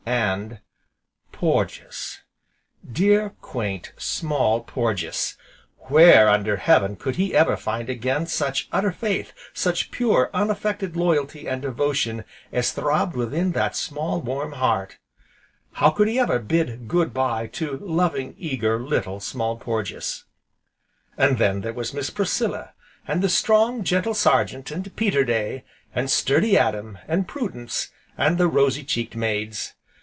And Porges! dear, quaint, Small Porges! where under heaven could he ever find again such utter faith, such pure unaffected loyalty and devotion as throbbed within that small, warm heart? How could he ever bid "Good bye" to loving, eager, little Small Porges? And then there was Miss Priscilla, and the strong, gentle Sergeant, and Peterday, and sturdy Adam, and Prudence, and the rosy cheeked maids.